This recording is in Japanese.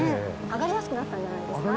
上がりやすくなったんじゃないですか？